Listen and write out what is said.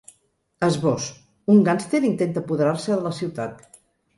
Esbós: Un gàngster intenta apoderar-se de la ciutat.